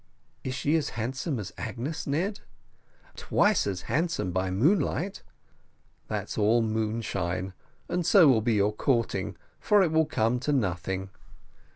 "Is she as handsome as Agnes, Ned?" "Twice as handsome by moonlight." "That's all moonshine, and so will be your courting, for it will come to nothing."